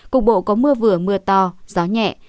cục bộ có mưa vừa mưa to gió nhẹ